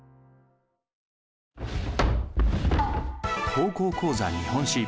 「高校講座日本史」。